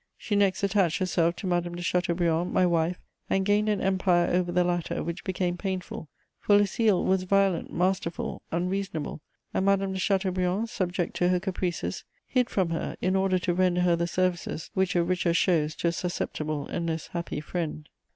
She next attached herself to Madame de Chateaubriand, my wife, and gained an empire over the latter which became painful, for Lucile was violent, masterful, unreasonable, and Madame de Chateaubriand, subject to her caprices, hid from her in order to render her the services which a richer shows to a susceptible and less happy friend.